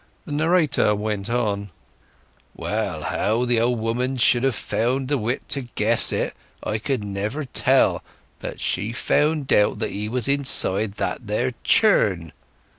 The narrator went on— "Well, how the old woman should have had the wit to guess it I could never tell, but she found out that he was inside that there churn.